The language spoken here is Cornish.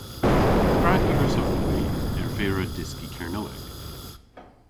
Prag y hwrussowgh hwi ervira dyski Kernewek?